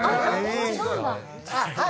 はい！